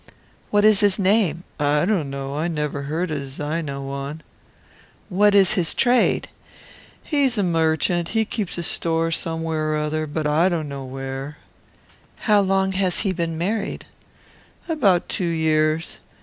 "What is his name?" "I don't know. I never heard it as I know on." "What is his trade?" "He's a merchant; he keeps a store somewhere or other; but I don't know where." "How long has he been married?" "About two years.